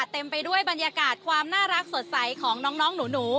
เต็มไปด้วยบรรยากาศความน่ารักสดใสของน้องหนู